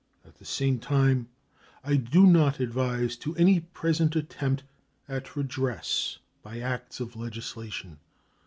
At the same time; I do not advise to any present attempt at redress by acts of legislation.